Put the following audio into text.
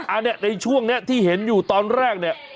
อันนี้ในช่วงนี้ที่เห็นอยู่ตอนแรกเนี่ย